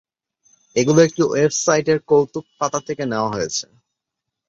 এগুলো একটি ওয়েবসাইটের কৌতুক পাতা থেকে নেয়া হয়েছে।